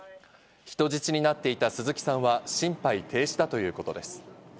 人質になっていた鈴木さんは心肺停止だということです。